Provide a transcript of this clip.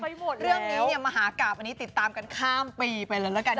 เรื่องนี้มหากราบติดตามกันข้ามปีไปแล้วกัน